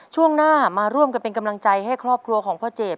ช่วงหน้ามาร่วมกันเป็นกำลังใจให้ครอบครัวของพ่อเจด